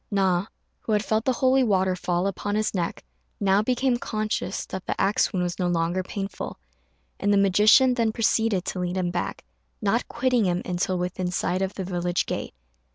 Na, who had felt the holy water fall upon his neck, now became conscious that the axe wound was no longer painful; and the magician then proceeded to lead him back, not quitting him until within sight of the village gate.